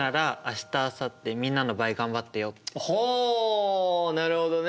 ほうなるほどね。